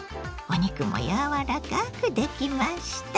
お肉もやわらかくできました。